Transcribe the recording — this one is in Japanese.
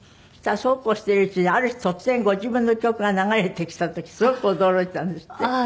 さあそうこうしてるうちにある日突然ご自分の曲が流れてきた時すごく驚いたんですって？